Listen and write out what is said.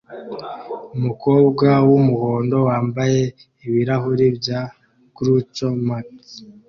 Umukobwa wumuhondo wambaye ibirahuri bya Groucho Marx